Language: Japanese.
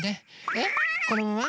えっこのまま？